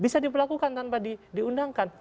bisa diperlakukan tanpa diundangkan